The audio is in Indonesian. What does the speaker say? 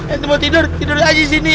ente mau tidur tidur aja di sini ye